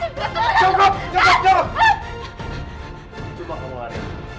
aku akan mencoba mengeluarkan